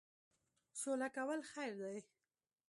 سوله کول خیر دی.